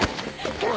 おい！